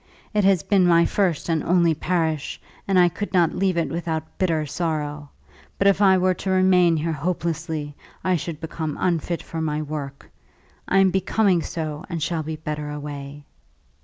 It has been my first and only parish, and I could not leave it without bitter sorrow. But if I were to remain here hopelessly, I should become unfit for my work. I am becoming so, and shall be better away."